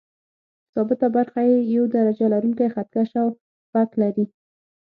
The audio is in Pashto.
ثابته برخه یې یو درجه لرونکی خط کش او فک لري.